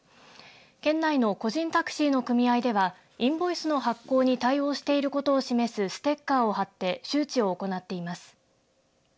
県内の個人タクシーの組合ではインボイスの発行に対応していることを示すステッカーを貼って周知を行っています。